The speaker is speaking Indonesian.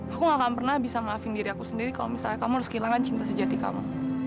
aku gak akan pernah bisa maafin diri aku sendiri kalau misalnya kamu harus kehilangan cinta sejati kamu